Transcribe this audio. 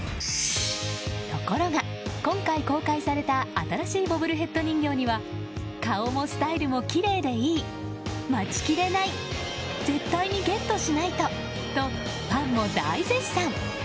ところが今回公開された新しいボブルヘッド人形には顔もスタイルもきれいでいい待ちきれない絶対にゲットしないととファンも大絶賛。